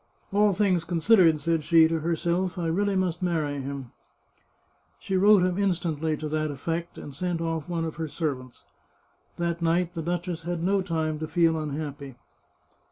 " All things considered," said she to herself, " I really must marry him." She wrote him in stantly to that effect, and sent off one of her servants. That night the duchess had no time to feel unhappy.